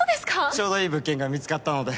ちょうどいい物件が見つかったので。